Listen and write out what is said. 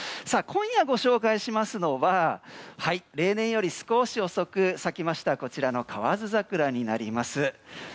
今夜ご紹介しますのは例年より少し遅く咲きましたこちらの河津桜になります。